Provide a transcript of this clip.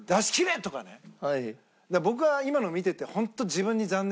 僕は今のを見ててホント。